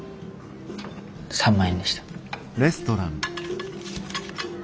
３万円でした。